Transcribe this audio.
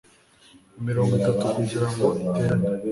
imirongo itatu kugira ngo iterane